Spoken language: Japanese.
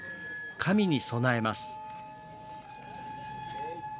神に供えます。